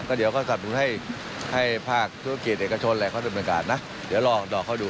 ก็เดี๋ยวเขาสรรพุทธให้ภาคธุรกิจเอกชนเขาทำบริการนะเดี๋ยวรอเขาดู